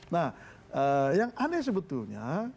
nah yang aneh sebetulnya